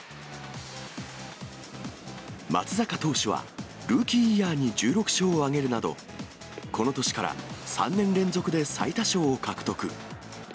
松坂投手はルーキーイヤーに１６勝を挙げるなど、この年から３年連続で最多勝を獲得。